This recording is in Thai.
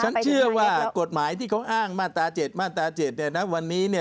ฉันเชื่อว่ากฎหมายที่เขาอ้างมาตรา๗มาตรา๗เนี่ยนะวันนี้เนี่ย